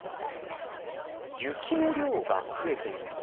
雪の量が増えているんです。